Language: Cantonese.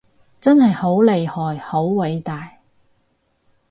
真係好厲害好偉大